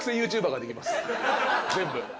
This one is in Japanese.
全部。